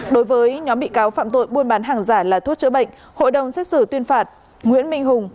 đối với nhóm bị cáo phạm tội buôn bán hàng giả là thuốc chữa bệnh hội đồng xét xử tuyên phạt nguyễn minh hùng